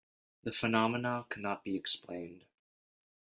The phenomena could not be explained.